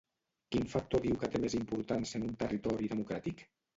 Quin factor diu que té més importància en un territori democràtic?